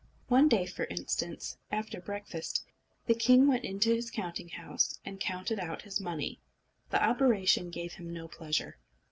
One day, for instance, after breakfast, the king went into his counting house, and counted out his money. The operation gave him no pleasure.